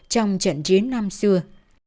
trong trận chiến năm xưa